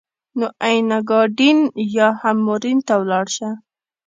نو اینګادین یا هم مورین ته ولاړ شه.